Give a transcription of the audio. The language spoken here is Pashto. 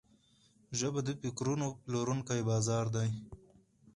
ژبه د فکرونو پلورونکی بازار ده